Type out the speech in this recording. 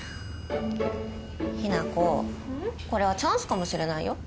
雛子これはチャンスかもしれないよ。